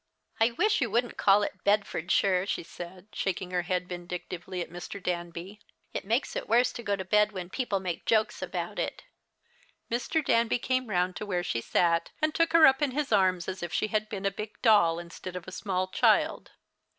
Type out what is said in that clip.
" I wish you wouldn't call it Bedfordshire," she said, shaking her head vindictively at Mr. Danby. " It makes it worse to go to bed when people make jokes about it !" Mr. Danby came round to where she sat, and took her up in his arms as if she had been a big doll instead of a small child.